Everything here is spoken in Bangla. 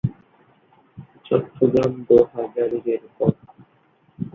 চট্টগ্রাম-দোহাজারী রেলপথ।